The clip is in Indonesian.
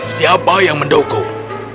siapa yang mendukung